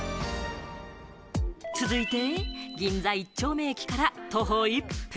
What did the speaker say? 続いて銀座一丁目駅から徒歩１分。